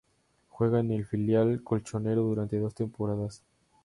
Juega en el filial colchonero durante dos temporadas.